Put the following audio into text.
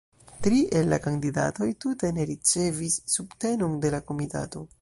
Tri el la kandidatoj tute ne ricevis subtenon de la komitato.